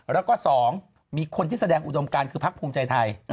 แล้วก็๒มีคนที่แสดงอุดมการคือพักภูมิใจไทย